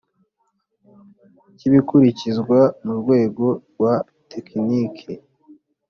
Cy ibikurikizwa mu rwego rwa tekiniki